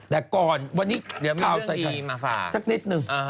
แต่ก่อนวันนี้เดี๋ยวมีเรื่องดีมาฝ่าสักนิดหนึ่ง